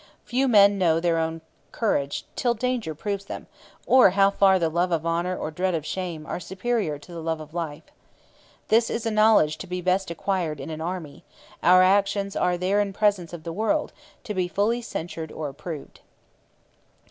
Few men know their own courage till danger proves them, or how far the love of honour or dread of shame are superior to the love of life. This is a knowledge to be best acquired in an army; our actions are there in presence of the world, to be fully censured or approved.'